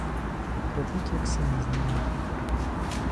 Робіть, як самі знаєте.